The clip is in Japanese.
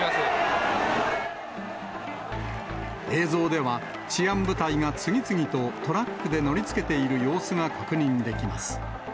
映像では、治安部隊が次々とトラックで乗りつけている様子が確認できます。